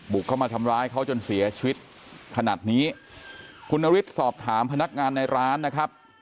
เข้ามาทำร้ายเขาจนเสียชีวิตขนาดนี้คุณนฤทธิ์สอบถามพนักงานในร้านนะครับ